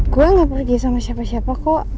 gue gak pergi sama siapa siapa kok